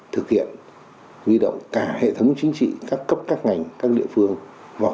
thực hiện huy động cả hệ thống chính trị các cấp các ngành các địa phương vào